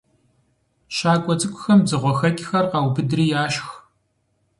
«ЩакӀуэ цӀыкӀухэм» дзыгъуэхэкӀхэр къаубыдри яшх.